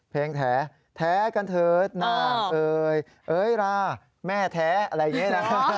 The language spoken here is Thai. เพลงแท๋แท๋กันเถิดนางเอ่ยเอ๊ยราแม่แท๋อะไรอย่างนี้นะ